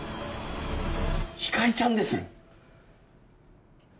光莉ちゃんです！